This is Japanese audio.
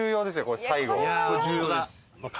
これ最後。